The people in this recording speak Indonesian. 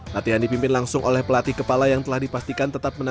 latihan dipimpin langsung oleh pelatih kepala yang telah dipastikan tetap menang